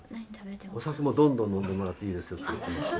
お酒もどんどん飲んでもらっていいです。